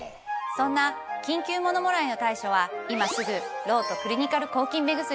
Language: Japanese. そんな緊急ものもらいの対処は今すぐロートクリニカル抗菌目薬。